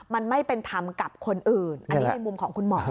มันไม่เป็นธรรมกับคนอื่นอันนี้ในมุมของคุณหมอ